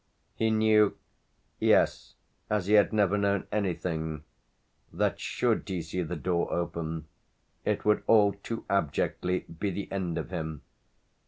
He knew yes, as he had never known anything that, should he see the door open, it would all too abjectly be the end of him.